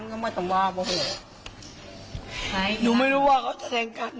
คุณยอมรับหรือเปล่า